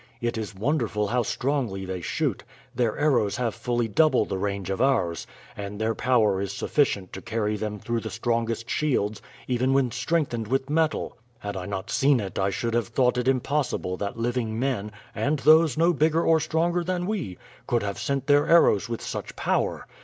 It is wonderful how strongly they shoot. Their arrows have fully double the range of ours, and their power is sufficient to carry them through the strongest shields, even when strengthened with metal. Had I not seen it I should have thought it impossible that living men, and those no bigger or stronger than we, could have sent their arrows with such power.